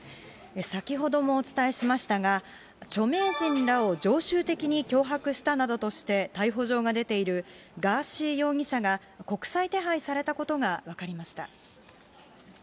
先ほどもお伝えしましたが、著名人らを常習的に脅迫したなどとして、逮捕状が出ているガーシー容疑者が、国際手配されたことが分かりました。